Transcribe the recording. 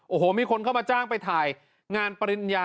โอ้โฮมีคนเข้ามาจ้างไปถ่าย